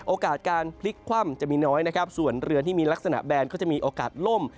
โอกาสการพลิกคว่ำจะมีน้อยนะครับส่วนเรือที่มีลักษณะแบนก็จะมีโอกาสล่ม